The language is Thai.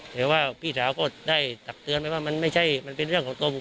แต่ว่าพี่สาวก็ได้ตักเตือนไว้ว่ามันเป็นเรื่องของตัวบุคคล